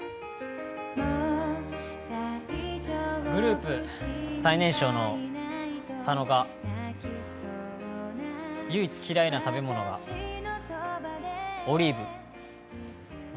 グループ、最年少の佐野が唯一嫌いな食べ物がオリーブ。